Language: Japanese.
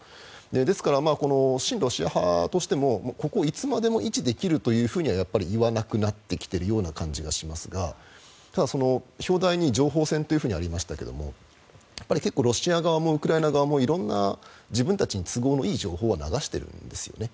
ですから親ロシア派としてもここをいつまでも維持できるとは言わなくなってきているような感じがしますがただ、表題に情報戦とありましたけれども結構ロシア側もウクライナ側も自分たちに都合のいい情報は流しているんですよね。